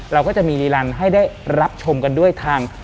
เราก็จะมีรีลันให้ได้รับชมกันด้วยทาง